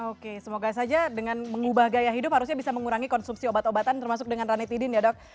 oke semoga saja dengan mengubah gaya hidup harusnya bisa mengurangi konsumsi obat obatan termasuk dengan ranitidin ya dok